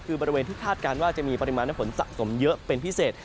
คือบริเวณที่คาดการณ์ว่าจะมีปริมาณน้ำฝนสะสมเยอะเป็นพิเศษ